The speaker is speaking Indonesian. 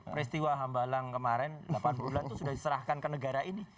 peristiwa hambalang kemarin delapan bulan itu sudah diserahkan ke negara ini